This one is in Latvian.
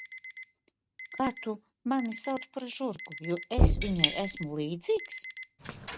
Kā tu mani sauc par žurku, jo es viņai esmu līdzīgs?